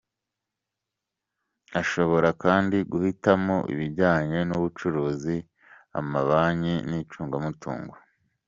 Ashobora kandi guhitamso ibijyanye n’ubucuruzi, amabanki n’icungamutungo.